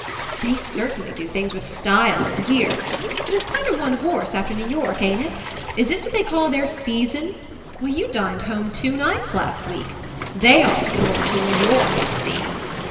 "They certainly do things with style over here but it's kinder one horse after New York, ain't it? Is this what they call their season? Why, you dined home two nights last week. They ought to come over to New York and see!"